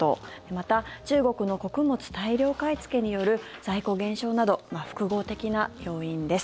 また、中国の穀物大量買いつけによる在庫減少など複合的な要因です。